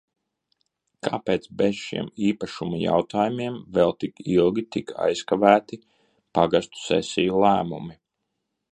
Kāpēc bez šiem īpašuma jautājumiem vēl tik ilgi tika aizkavēti pagastu sesiju lēmumi?